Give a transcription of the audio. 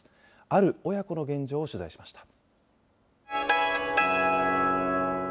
ある親子の現状を取材しました。